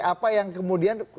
apa yang kemudian